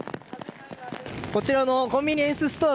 こちらのコンビニエンスストア